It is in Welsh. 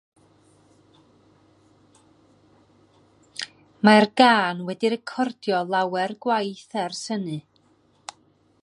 Mae'r gân wedi'i recordio lawer gwaith ers hynny.